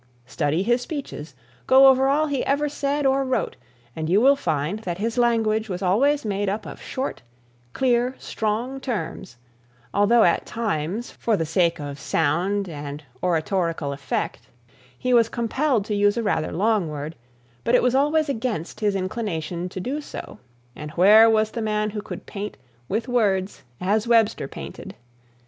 Study his speeches, go over all he ever said or wrote, and you will find that his language was always made up of short, clear, strong terms, although at times, for the sake of sound and oratorical effect, he was compelled to use a rather long word, but it was always against his inclination to do so, and where was the man who could paint, with words, as Webster painted!